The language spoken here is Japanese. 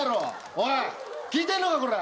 おい聞いてんのかこら！